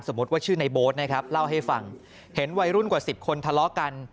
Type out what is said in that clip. สมมติว่าชื่อในโบ๊ทเล่าให้ฟังเห็นวัยรุ่นกว่า๑๐คนทะเลาะกัน